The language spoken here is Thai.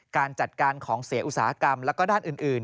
การจัดการของเสียอุตสาหกรรมแล้วก็ด้านอื่น